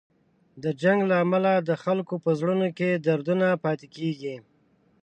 د جنګ له کبله د خلکو په زړونو کې دردونه پاتې کېږي.